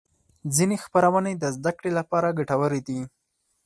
ځینې خپرونې د زدهکړې لپاره ګټورې دي.